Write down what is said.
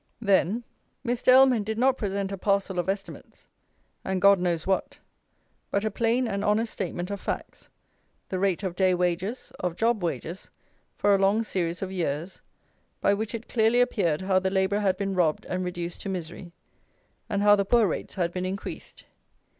Then, Mr. Ellman did not present a parcel of estimates and God knows what; but a plain and honest statement of facts, the rate of day wages, of job wages, for a long series of years, by which it clearly appeared how the labourer had been robbed and reduced to misery, and how the poor rates had been increased.